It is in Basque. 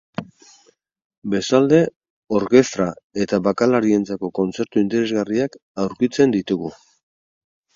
Bestalde, orkestra eta bakarlarientzako kontzertu interesgarriak aurkitzen ditugu.